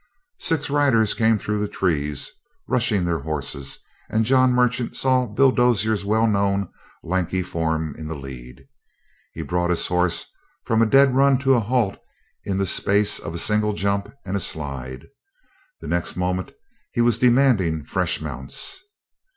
Six riders came through the trees, rushing their horses, and John Merchant saw Bill Dozier's well known, lanky form in the lead. He brought his horse from a dead run to a halt in the space of a single jump and a slide. The next moment he was demanding fresh mounts.